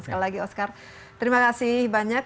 sekali lagi oscar terima kasih banyak